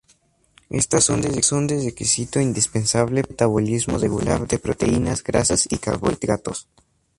Estas son de requisito indispensable para un metabolismo regular de proteínas, grasas y carbohidratos.